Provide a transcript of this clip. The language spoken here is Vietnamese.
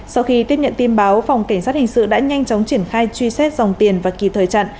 sau khi tiếp nhận tin báo phòng cảnh sát hình sự đã nhanh chóng triển khai truy xét dòng tiền và kịp thời chặn